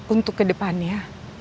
untuk ke depannya